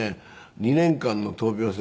２年間の闘病生活